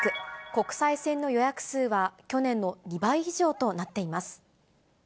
国際線の予約数は去年の２倍以上となっています。